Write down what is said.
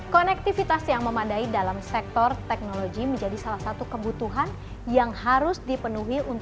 konektivitas yang memadai dalam sektor teknologi menjadi salah satu kebutuhan yang harus dipenuhi